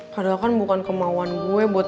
padahal kan bukan kemauan gue buat